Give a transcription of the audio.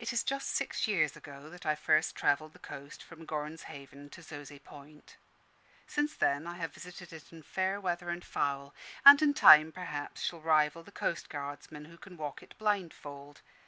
It is just six years ago that I first travelled the coast from Gorrans Haven to Zoze Point. Since then I have visited it in fair weather and foul; and in time, perhaps, shall rival the coastguardsmen, who can walk it blindfold.